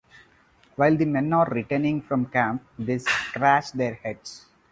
While the men are returning from camp, they scratch their heads